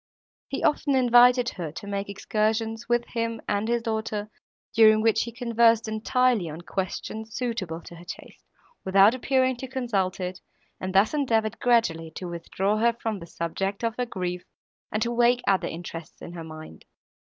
He often invited her to make excursions, with him and his daughter, during which he conversed entirely on questions, suitable to her taste, without appearing to consult it, and thus endeavoured gradually to withdraw her from the subject of her grief, and to awake other interests in her mind.